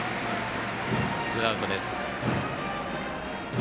ツーアウトです。